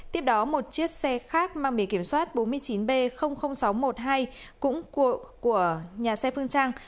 tiếp đó một chiếc xe khác mang bì kiểm soát bốn mươi chín b sáu trăm một mươi hai cũng của nhà xe phương trang